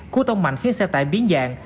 cú tông mạnh khiến xe tải biến dạng